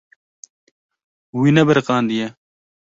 Wî nebiriqandiye.